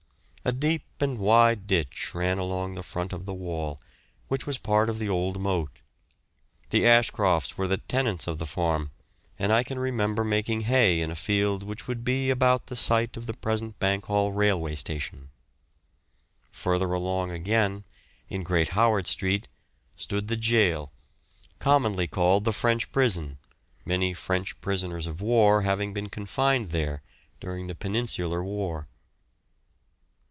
A deep and wide ditch ran along the front of the wall, which was part of the old moat. The Ashcrofts were the tenants of the farm, and I can remember making hay in a field which would be about the site of the present Bankhall railway station. Further along again, in Great Howard Street, stood the jail, commonly called the French prison, many French prisoners of war having been confined there during the Peninsular war.